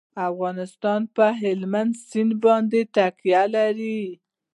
افغانستان په هلمند سیند باندې تکیه لري.